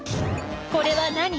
これは何？